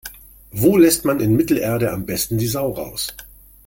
Wo lässt man in Mittelerde am besten die Sau raus?